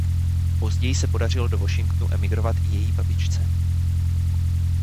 Později se podařilo do Washingtonu emigrovat i její babičce.